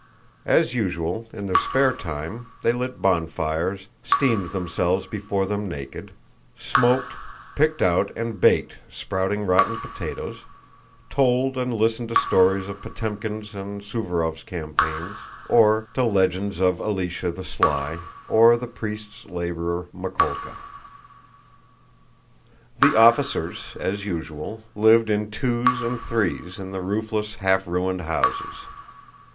As usual, in their spare time, they lit bonfires, steamed themselves before them naked; smoked, picked out and baked sprouting rotten potatoes, told and listened to stories of Potëmkin's and Suvórov's campaigns, or to legends of Alësha the Sly, or the priest's laborer Mikólka. The officers, as usual, lived in twos and threes in the roofless, half ruined houses.